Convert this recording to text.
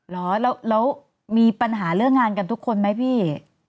เหรอแล้วมีปัญหาเรื่องงานกันทุกคนไหมพี่